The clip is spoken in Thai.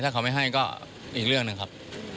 ถ้าเขาไม่ให้ก็อีกเรื่องหนึ่งครับ